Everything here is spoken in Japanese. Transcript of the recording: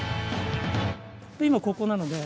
今ここなので。